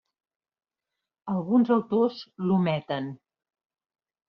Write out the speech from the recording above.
Alguns autors l'ometen.